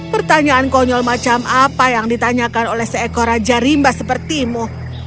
pertanyaan konyol macam apa yang ditanyakan oleh seekor raja rimba sepertimu